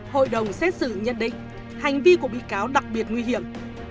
hội đồng xét xử nhận định hành vi của bị cáo đặc biệt nguy hiểm